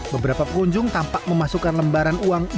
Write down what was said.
beberapa pengunjung tampak memasukkan lembaran uang